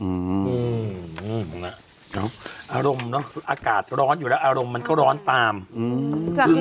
อืมแล้วอารมณ์เนอะอากาศร้อนอยู่แล้วอารมณ์มันก็ร้อนตามอืม